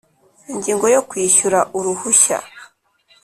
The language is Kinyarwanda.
ingingo yo kwishyura uruhushya